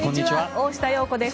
大下容子です。